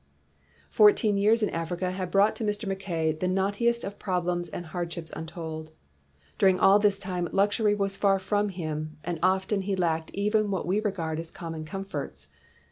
Fourteen years in Africa had brought to Mr. Mackay the knottiest of problems and hardships untold. During all this time, luxury was far from him, and often he lacked even what we regard as common comforts.